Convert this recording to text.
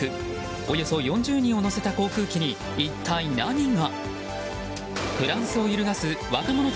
およそ４０人を乗せた航空機に一体何が？